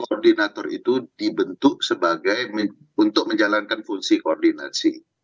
jadi koordinator itu dibentuk sebagai untuk menjalankan fungsi koordinasi